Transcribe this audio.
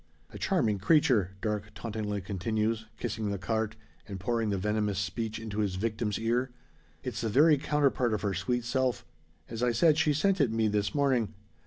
"A charming creature!" Darke tauntingly continues, kissing the carte, and pouring the venomous speech into his victim's ear. "It's the very counterpart of her sweet self. As I said, she sent it me this morning.